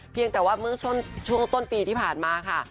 เพียงแต่ว่าเมื่อช่วงต้นปีที่ผ่านมาค่ะ